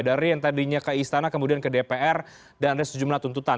dari yang tadinya ke istana kemudian ke dpr dan ada sejumlah tuntutan